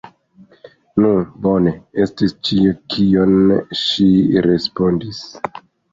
Nu bone! estis ĉio, kion ŝi respondis.